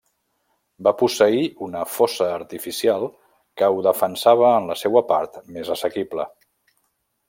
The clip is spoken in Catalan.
Va posseir una fossa artificial que ho defensava en la seua part més assequible.